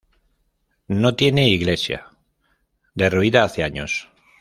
No tiene iglesia, derruida hace años.